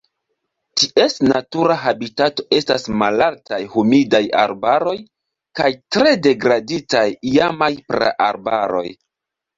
Ties natura habitato estas malaltaj humidaj arbaroj kaj tre degraditaj iamaj praarbaroj.